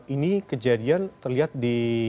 ini kejadian terlihat di